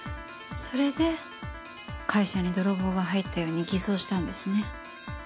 それで会社に泥棒が入ったように偽装したんですね。